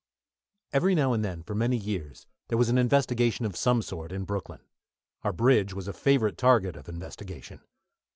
Every now and then, for many years, there was an investigation of some sort in Brooklyn. Our bridge was a favourite target of investigation.